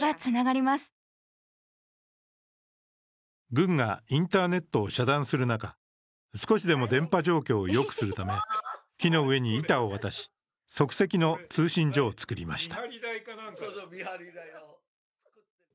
軍がインターネットを遮断する中、少しでも電波状況をよくするため木の上に板を渡し、即席の通信所を作りました。